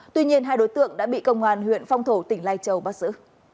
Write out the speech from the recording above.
tuy nhiên hai đối tượng đã bị công an huyện phong thổ tỉnh lai châu bắt giữ